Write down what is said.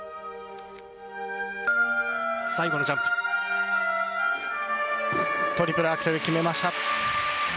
最後のジャンプトリプルアクセル、決めました。